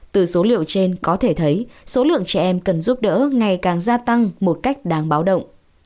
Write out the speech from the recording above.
từ số liệu trên có thể thấy số lượng trẻ em cần giúp đỡ ngày càng gia tăng một cách đáng báo động